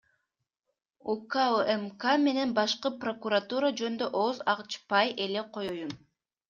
УКМК менен башкы прокуратура жөнүндө ооз ачпай эле коёюн.